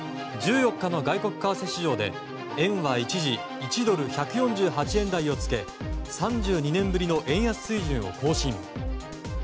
１４日の外国為替市場で円は、一時１ドル＝１４８円台をつけ３２年ぶりの円安水準を更新。